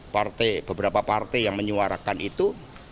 partai beberapa partai yang menyuarakan itu